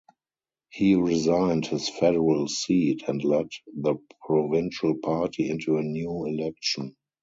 He resigned his federal seat, and led the provincial party into a new election.